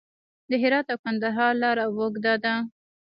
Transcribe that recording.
د هرات او کندهار لاره اوږده ده